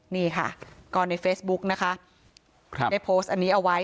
นี่ค่ะก็ในเฟซบุ๊กนะคะได้โพสต์อันนี้เอาไว้